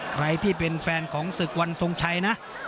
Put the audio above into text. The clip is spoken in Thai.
ใครที่เป็นแฟนของศึกวันทรงชัยนะ